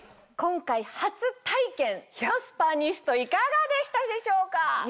今回初体験のスパニストいかがでしたでしょうか？